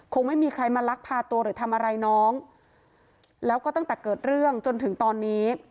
คงไม่มีใครมาลักพาตัวหรือทำอะไรน้องแล้วก็ตั้งแต่เกิดเรื่องจนถึงตอนนี้